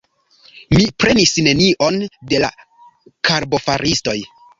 mi prenis nenion de la karbofaristoj!